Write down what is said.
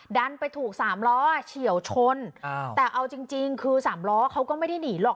ดันไปถูกสามล้อเฉียวชนแต่เอาจริงจริงคือสามล้อเขาก็ไม่ได้หนีหรอก